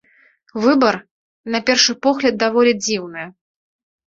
Выбар, на першы погляд, даволі дзіўны.